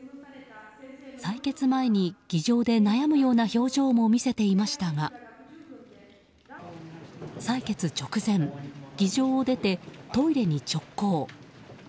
採決前に議場で悩むような表情も見せていましたが採決直前、議場を出てトイレに直行。